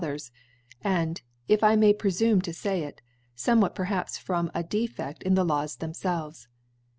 others; and (if I may prefume to fay it) fomewhat perhaps from a Defeft in thtf'Laws thcmfelvcs.